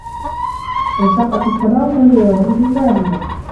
وَانشَقَّتِ السَّماءُ فَهِيَ يَومَئِذٍ واهِيَةٌ